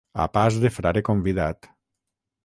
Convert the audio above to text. A pas de frare convidat.